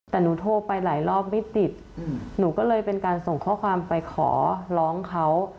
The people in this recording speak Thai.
แต่หนูโทรไปหลายรอบไม่ติดหนูก็เลยเป็นการส่งข้อความไปขอร้องเขา